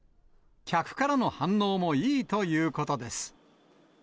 客からの反応もいいということです。